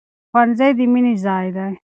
ښوونځی د مینې ځای دی.